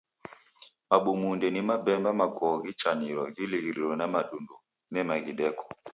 Mabumunde ni mabemba makoo ghichanilo ghirighilo na madundu nema ghideko.